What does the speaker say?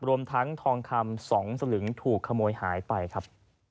รวมทั้งทองคำ๒สลึงถูกขโมยหายไปครับ